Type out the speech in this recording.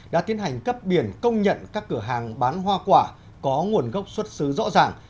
đã tiến hành cấp biển công nhận các cửa hàng bán hoa quả có nguồn gốc xuất xứ rõ ràng